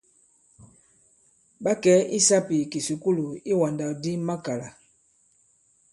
Ɓa kɛ̀ i sāpì ì kìsukulù iwàndàkdi makàlà.